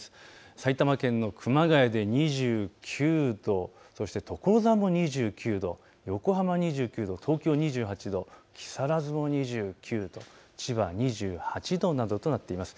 埼玉県の熊谷で２９度、所沢も２９度、横浜２９度、東京２８度、木更津も２９度、千葉２８度などとなっています。